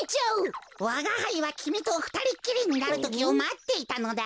わがはいはきみとふたりっきりになるときをまっていたのだ。